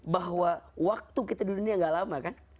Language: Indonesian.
bahwa waktu kita di dunia gak lama kan